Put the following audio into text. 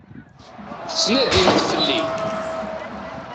Tettnadimt fell-i.